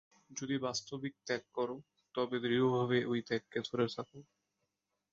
যদি বাস্তবিক ত্যাগ কর, তবে দৃঢ়ভাবে ঐ ত্যাগকে ধরে থাক।